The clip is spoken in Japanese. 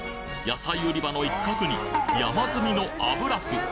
野菜売り場の一角に山積みの油麩